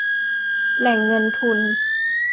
แหล่งเงินทุน